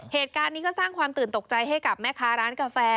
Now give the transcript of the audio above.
เหตุการณ์นี้ก็สร้างความตื่นตกใจให้กับแม่ค้าร้านกาแฟ